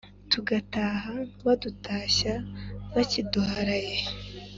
Tugataha badutashya bakiduharaye.